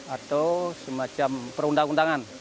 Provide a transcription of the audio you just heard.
atau semacam perundang undangan